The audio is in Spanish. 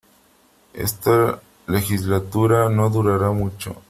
Esta legislatura no durará mucho.